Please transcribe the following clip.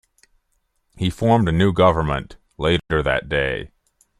He formed a new government later that day.